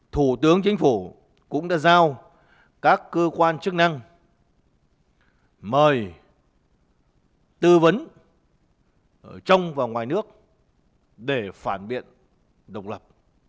thủ tướng chính phủ cũng đã giao các cơ quan chức năng mời tư vấn trong và ngoài nước để phản biện độc lập